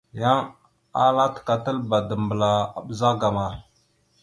Yan ala təkatalba dambəla a ɓəzagaam a.